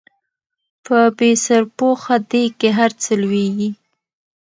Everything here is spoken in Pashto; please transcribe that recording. په بې سرپوښه ديګ کې هر څه لوېږي